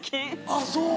あっそう。